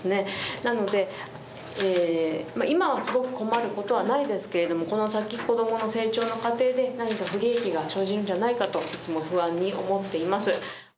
なのでえ今はすごく困ることはないですけれどもこの先子どもの成長の過程で何か不利益が生じるんじゃないかといつも不安に思っています。